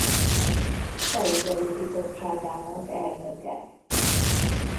Felügyelő Bizottságának elnöke.